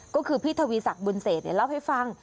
ก็คือพี่ทวีศักดิบุญเศษเล่าให้ฟัง